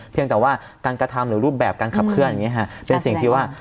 เพียงแต่ว่าการกระทำหรือรูปแบบการขับเคลื่อน